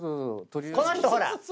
この人ほらっ